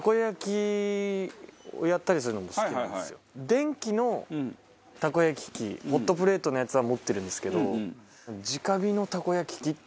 電気のたこ焼き器ホットプレートのやつは持ってるんですけど。